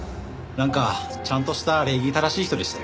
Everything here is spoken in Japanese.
なんかちゃんとした礼儀正しい人でしたよ。